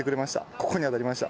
ここに当たりました。